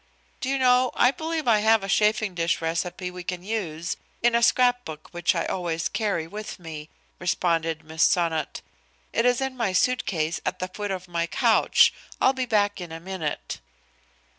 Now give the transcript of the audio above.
"Do you know, I believe I have a chafing dish recipe we can use in a scrap book which I always carry with me," responded Miss Sonnot. "It is in my suit case at the foot of my couch. I'll be back in a minute."